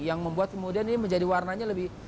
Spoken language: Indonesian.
yang membuat kemudian ini menjadi warnanya lebih